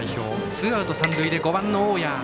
ツーアウト三塁で５番の大矢。